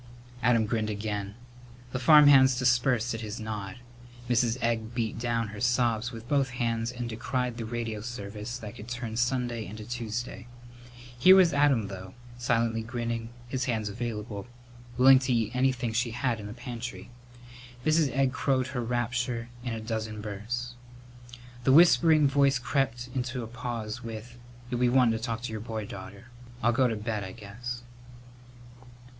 Adam grinned again. The farmhands dispersed at his nod. Mrs. Egg beat down her sobs with both hands and decried the radio service that could turn Sunday into Tuesday. Here was Adam, though, silently grinning, his hands available, willing to eat anything she had in the pantry. Mrs. Egg crowed her rapture in a dozen bursts. The whispering voice crept into a pause with, "You'll be wantin' to talk to your boy, daughter. I'll go to bed, I guess."